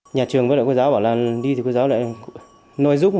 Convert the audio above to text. nhà trường với đại quốc giáo bảo là đi thì quốc giáo lại nuôi giúp